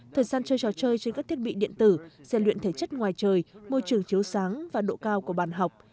thời gian chơi trò chơi trên các thiết bị điện tử xen luyện thể chất ngoài trời môi trường chiếu sáng và độ cao của bàn học